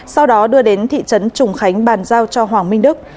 sau đó đưa đến thị trấn trùng khánh bàn giao cho hoàng minh đức